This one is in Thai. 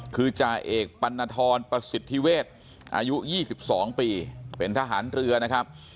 คือจ่าเอกปัณฑรประสิทธิเวศอายุ๒๒ปีเป็นทหารเรือนะครับ